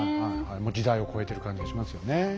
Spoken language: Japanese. もう時代を超えてる感じがしますよねえ。